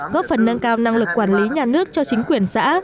góp phần nâng cao năng lực quản lý nhà nước cho chính quyền xã